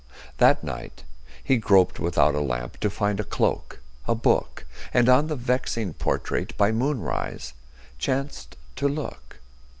That night he groped without a lamp To find a cloak, a book, And on the vexing portrait By moonrise chanced to look.